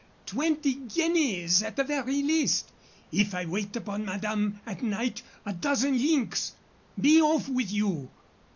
Twenty guineas at the very least. If I wait upon madame at night, a dozen links. Be off with you!"